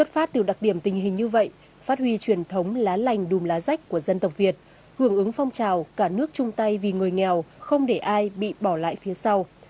phát huy truyền thống lá lành đùm lá rách của dân tộc việt hưởng ứng phong trào cả nước chung tay vì người nghèo không để ai bị bỏ lại phía sau